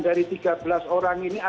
dari sekian dari tiga belas orang ini